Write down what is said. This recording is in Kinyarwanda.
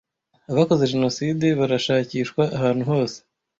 abakoze Jenoside barashakishwa ahantu hose